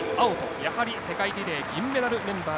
やはり世界リレーの銀メダルメンバー。